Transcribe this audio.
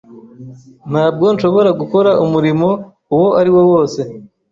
Ntabwo nshobora gukora umurimo uwo ariwo wose